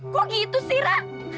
kok gitu sih ra